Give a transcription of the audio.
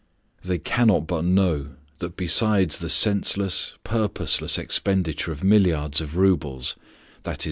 They cannot but know that besides the senseless, purposeless expenditure of milliards of roubles, _i.e.